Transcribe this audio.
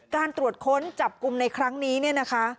การตรวจค้นจับกลุ่มในครั้งนี้เนี่ยนะคะ